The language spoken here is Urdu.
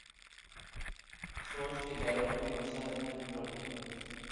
سوچ کے دائروں کی وسعت نہیں بڑھی۔